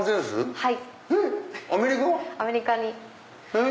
はい。